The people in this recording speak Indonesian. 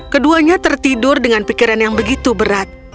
keduanya tertidur dengan pikiran yang begitu berat